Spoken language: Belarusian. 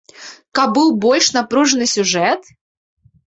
Каб быў больш напружаны сюжэт?